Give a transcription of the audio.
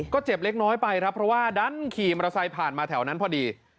ก็เจ็บเล็กน้อยไปครับเพราะว่าดันขี่มอเตอร์ไซค์ผ่านมาแถวนั้นพอดี